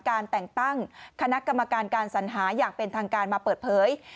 การแต่งตั้งคณะกรรมการการสัญหาอย่างเป็นทางการมาเปิดเผย